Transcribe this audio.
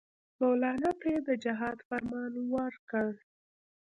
مولنا ته یې د جهاد فرمان ورکړ.